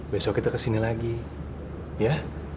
besok kita kesini lagi ya